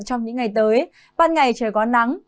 trong những ngày tới ban ngày trời có nắng